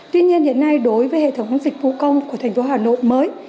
tuy nhiên hiện nay đối với hệ thống dịch vụ công của thành phố hà nội mới